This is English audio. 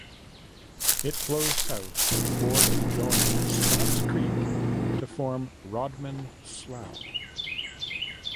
It flows south for to join Scotts Creek to form Rodman Slough.